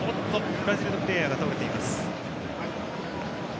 ブラジルのプレーヤーが倒れています。